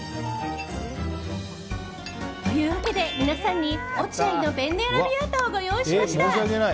というわけで、皆さんに落合のペンネアラビアータをご用意しました。